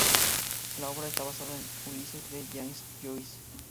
La obra está basada en el "Ulises" de James Joyce.